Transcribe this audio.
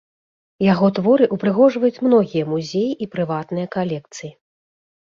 Яго творы ўпрыгожваюць многія музеі і прыватныя калекцыі.